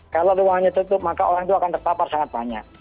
kalau ruangannya tutup maka orang itu akan tertapar sangat banyak